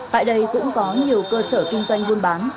tại đây cũng có nhiều cơ sở kinh doanh buôn bán